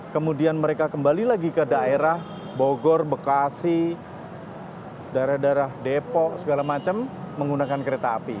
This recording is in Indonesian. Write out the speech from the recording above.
kemudian mereka kembali lagi ke daerah bogor bekasi daerah daerah depok segala macam menggunakan kereta api